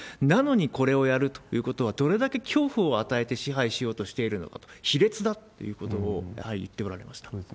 なのに、これをやるということは、どれだけ恐怖を与えて支配しようとしているのかと、卑劣だということをやはり言っておられました。